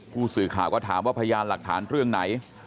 ผู้สื่อข่าวก็ถามว่าพยานหลักฐานเรื่องไหน